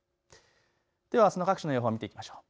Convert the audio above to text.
ではあすの各地の予報見ていきましょう。